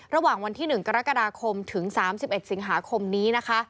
ระหว่างวันที่๑กรกฎาคมถึง๓๑สิงหาคมนี้นะคะ